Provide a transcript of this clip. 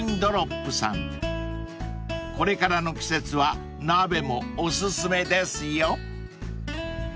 ［これからの季節は鍋もお薦めですよ］